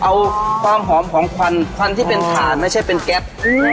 เอาความหอมของควันควันที่เป็นถ่านไม่ใช่เป็นแก๊ป